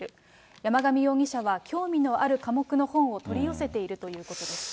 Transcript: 山上容疑者は興味のある科目の本を取り寄せているということです。